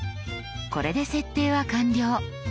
これで設定は完了。